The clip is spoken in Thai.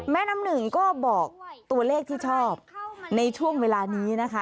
แม่น้ำหนึ่งก็บอกตัวเลขที่ชอบในช่วงเวลานี้นะคะ